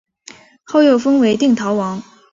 后又封为定陶王。